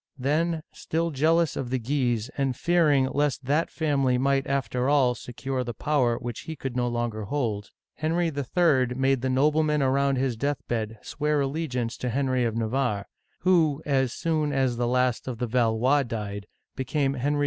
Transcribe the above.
Then, still jealous of the Guises, and fearing lest that family might, after all, secure the power which he could no longer hold, Henry III. made the noblemen around his deathbed swear allegiance to Henry of Navarre, who, as soon as the last of the Valois died, became Henry IV.